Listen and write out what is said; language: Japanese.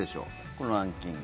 このランキング。